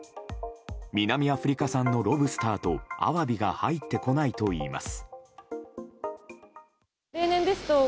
南アフリカ産のロブスターとアワビが入ってこないといいます。